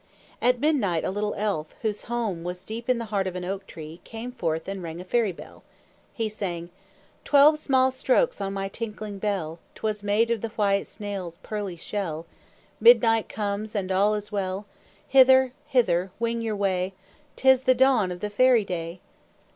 At midnight a little elf, whose home was deep in the heart of an oak tree, came forth and rang a fairy bell. He sang, "Twelve small strokes on my tinkling bell 'Twas made of the white snail's pearly shell; Midnight comes, and all is well! Hither, hither, wing your way, 'Tis the dawn of the fairy day!"